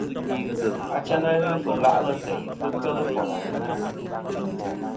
Achayn a ghɨ fɨ la'lɨ teyn fɨ kel foyn àŋena.